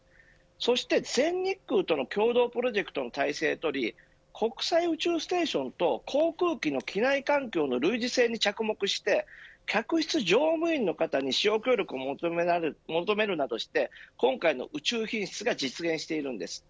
そして全日空との共同プロジェクトの体制を取り国際宇宙ステーションと航空機の機内環境の類似性に着目して客室乗務員の方に使用協力を求めるなどして今回の宇宙品質が実現しているんです。